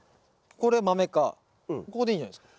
ここでいいんじゃないですか？